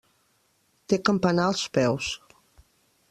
Té campanar als peus.